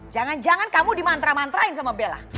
jangan jangan kamu dimantra mantrain sama bella